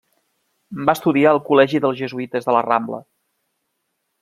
Va estudiar al col·legi dels jesuïtes de la Rambla.